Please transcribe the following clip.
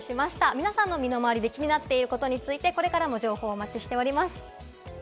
皆さんの身の回りで気になっていることについてこれからも情報をお待ちしております。